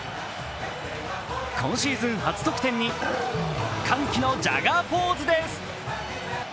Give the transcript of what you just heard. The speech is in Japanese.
今シーズン初得点に、歓喜のジャガーポーズです。